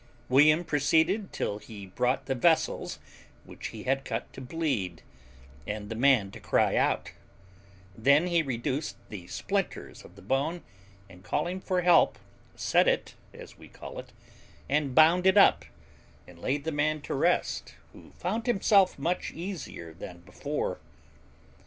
William proceeded till he brought the vessels which he had cut to bleed, and the man to cry out; then he reduced the splinters of the bone, and, calling for help, set it, as we call it, and bound it up, and laid the man to rest, who found himself much easier than before.